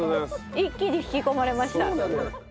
一気に引き込まれました。